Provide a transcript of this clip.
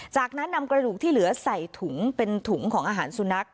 จากนั้นนำกระดูกที่เหลือใส่ถุงเป็นถุงของอาหารสุนัข